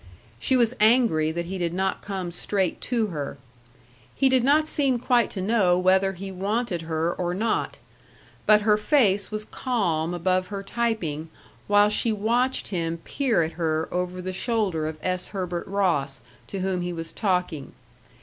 She was angry that he did not come straight to her. He did not seem quite to know whether he wanted her or not. But her face was calm above her typing while she watched him peer at her over the shoulder of S. Herbert Ross, to whom he was talking.